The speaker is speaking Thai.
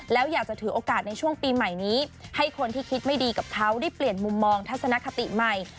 แล้วอยากจะถือโอกาสในช่วงปีใหม่นี้ให้คนที่คิดไม่ดีกับเขาได้เปลี่ยนมุมมองทัศนคติใหม่